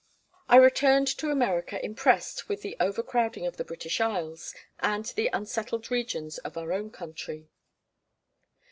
I returned to America impressed with the over crowding of the British Isles, and the unsettled regions of our own country.